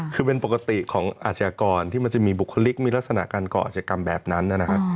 คือเป็นปกติของอาชญากรที่มันจะมีบุคลิกมีลักษณะการก่ออาชกรรมแบบนั้นนะครับ